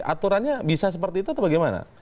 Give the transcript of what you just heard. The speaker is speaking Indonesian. aturannya bisa seperti itu atau bagaimana